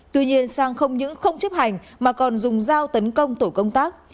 tuy nhiên sang không những không chấp hành mà còn dùng dao tấn công tổ công tác